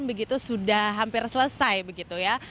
begitu sudah hampir selesai begitu ya